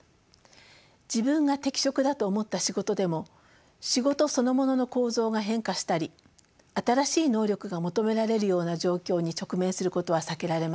自分が適職だと思った仕事でも仕事そのものの構造が変化したり新しい能力が求められるような状況に直面することは避けられません。